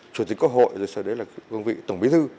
chủ tịch quốc hội rồi sau đấy là quân vị tổng bí thư